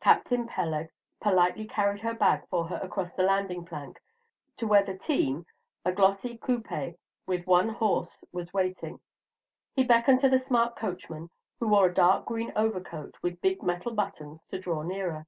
Captain Peleg politely carried her bag for her across the landing plank to where the "team," a glossy coupé with one horse, was waiting. He beckoned to the smart coachman, who wore a dark green overcoat with big metal buttons, to draw nearer.